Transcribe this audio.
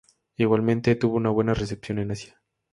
Igualmente, tuvo una buena recepción en Asia.